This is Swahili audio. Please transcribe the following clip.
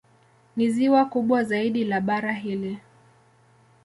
Ni ziwa kubwa zaidi la bara hili.